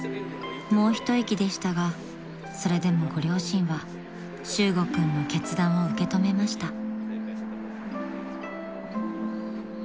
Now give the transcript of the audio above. ［もう一息でしたがそれでもご両親は修悟君の決断を受け止めました］